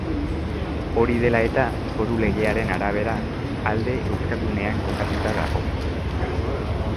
Hori dela eta, foru legearen arabera, alde euskaldunean kokatuta dago.